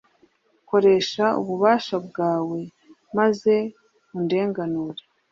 koresha ububasha bwawe, maze undenganure